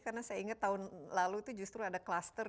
karena saya ingat tahun lalu itu justru ada klaster